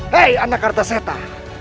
hei anak kertaseta